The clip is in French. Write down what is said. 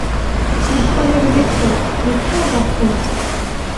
Il prenait le métro, le train parfois.